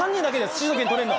シード権取れるの。